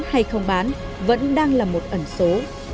hay không bán vẫn đang là một ẩn số